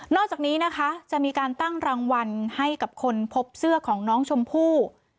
อกจากนี้นะคะจะมีการตั้งรางวัลให้กับคนพบเสื้อของน้องชมพู่